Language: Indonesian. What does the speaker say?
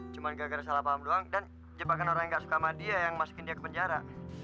cuma gara gara salah paham doang dan jebakan orang yang gak suka sama dia yang masukin dia ke penjara